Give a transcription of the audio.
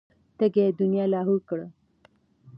تږې دنيا لاهو کړه.